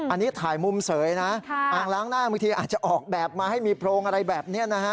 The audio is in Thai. อันนี้ถ่ายมุมเสยนะอ่างล้างหน้าบางทีอาจจะออกแบบมาให้มีโพรงอะไรแบบนี้นะฮะ